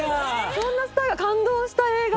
そんなスターが感動した映画？